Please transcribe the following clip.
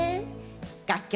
楽曲